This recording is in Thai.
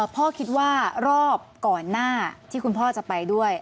พ่อคิดว่ารอบก่อนหน้าที่คุณพ่อจะไปด้วย